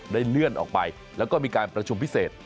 เลื่อนออกไปแล้วก็มีการประชุมพิเศษ